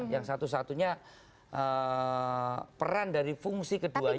yang satu satunya peran dari fungsi keduanya